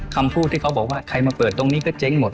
คำพูดที่เขาบอกว่าใครมาเปิดตรงนี้ก็เจ๊งหมด